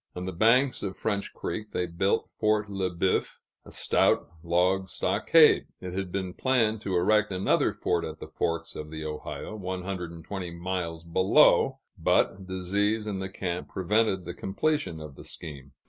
On the banks of French Creek they built Fort Le Boeuf, a stout log stockade. It had been planned to erect another fort at the Forks of the Ohio, one hundred and twenty miles below; but disease in the camp prevented the completion of the scheme.